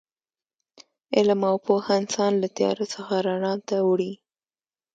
علم او پوهه انسان له تیاره څخه رڼا ته وړي.